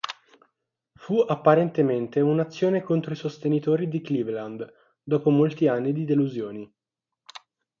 Fu, apparentemente, un'azione contro i sostenitori di Cleveland dopo molti anni di delusioni.